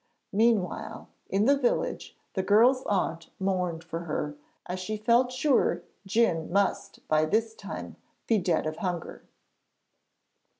Meanwhile, in the village the girl's aunt mourned for her, as she felt sure Djun must by this time be dead of hunger.